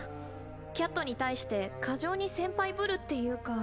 キャットに対して過剰に先輩ぶるっていうか。